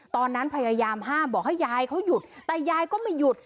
ตอนนั้นพยายามห้ามบอกให้ยายเขาหยุดแต่ยายก็ไม่หยุด